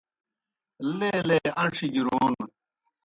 لیلے اݩڇھہ گیْ رون